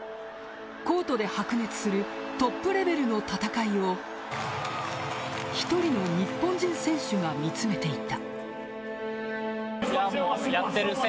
コートで白熱するトップレベルの戦いを１人の日本人選手が見つめていた。